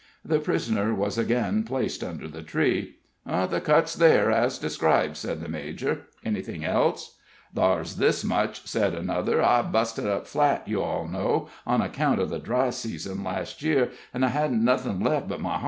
The prisoner was again placed under the tree. "The cut's there, as described," said the major. "Anything else?" "Ther's this much," said another. "I busted up flat, you all know, on account of the dry season, last year, an' I hadn't nothin' left but my hoss.